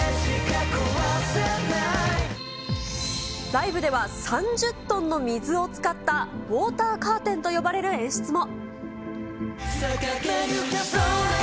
ライブでは３０トンの水を使った、ウォーターカーテンと呼ばれる演出も。